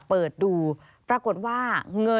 เปิดดูปรากฏว่า